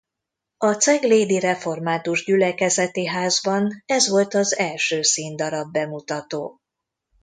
A Ceglédi Református Gyülekezeti Házban ez volt az első színdarab bemutató.